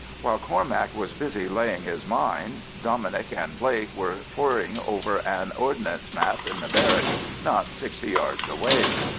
While Cormac was busy laying his mine, Dominic and Blake were poring over an Ordnance map in the barracks not sixty yards away.